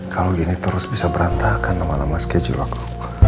kalau gini terus bisa berantakan lama lama schedule aku